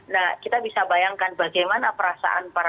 nah kita bisa bayangkan bagaimana perasaan para